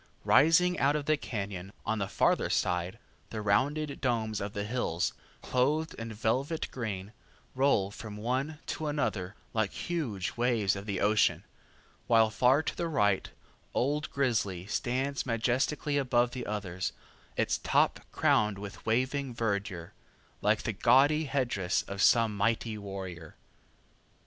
Rising out of the cañon, on the farther side, the rounded domes of the hills, clothed in velvet green, roll from one to another like huge waves of the ocean, while far to the right old Grizzly stands majestically above the others, its top crowned with waving verdure, like the gaudy headdress of some mighty warrior.